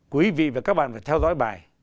quý vị và các bạn phải theo dõi bài